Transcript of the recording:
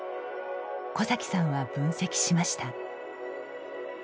小崎さんは分析しました。